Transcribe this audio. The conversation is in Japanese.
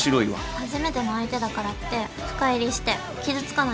初めての相手だからって深入りして傷つかないように。